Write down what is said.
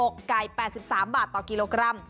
ไก่๘๓บาทต่อกิโลกรัม